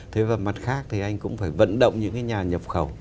thế và mặt khác thì anh cũng phải vận động những cái nhà nhập khẩu